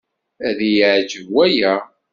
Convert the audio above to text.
Ad iyi-εǧeb waya.